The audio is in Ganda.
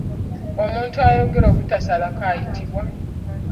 Omuntu ayogera obutasalako ayitibwa?